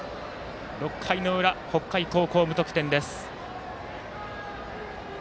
６回の裏、北海高校、無得点です。